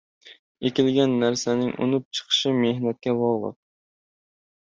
• Ekilgan narsaning unib chiqishi mehnatga bog‘liq.